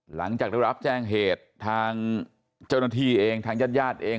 หลังจากได้รับแจ้งเหตุทางเจ้าหน้าที่เองทางญาติญาติเอง